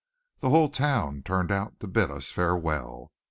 The whole town turned out to bid us farewell.